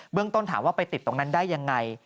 ต้นถามว่าไปติดตรงนั้นได้ยังไง